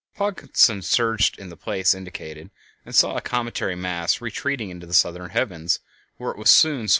_ Pogson searched in the place indicated and saw a cometary mass retreating into the southern heavens, where it was soon swallowed from sight!